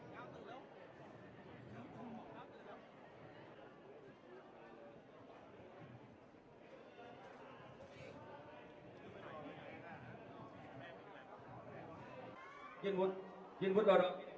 โปรดติดตามต่อไป